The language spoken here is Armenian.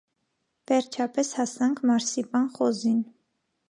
Վերջապես հասանք «մարսիպան խոզին»։